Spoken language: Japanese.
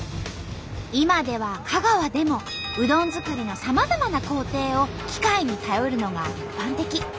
今では香川でもうどん作りのさまざまな工程を機械に頼るのが一般的。